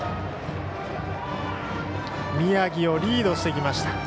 宮城をリードしてきました。